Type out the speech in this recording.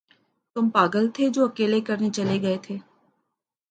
تم پاگل تھے جو اکیلے کرنے چلے گئے تھے۔